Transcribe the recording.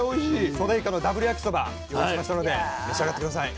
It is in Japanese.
「ソデイカのダブル焼きそば」用意しましたので召し上がって下さい。